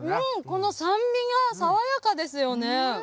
この酸味が爽やかですよね。